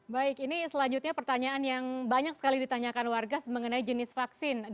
baik ini selanjutnya pertanyaan yang banyak sekali ditanyakan warga mengenai jenis vaksin